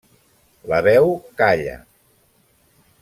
La veu calla.